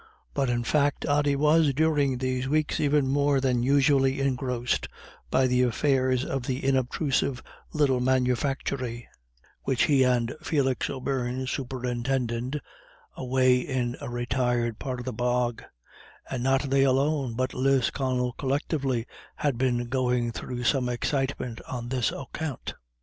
But in fact Ody was during these weeks even more than usually engrossed by the affairs of the inobtrusive little manufactory, which he and Felix O'Beirne superintended away in a retired part of the bog; and not they alone, but Lisconnel collectively, had been going through some excitement on this account.